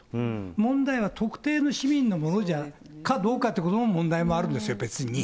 問題は特定の市民のものかどうかということの問題もあるんですよ、別に。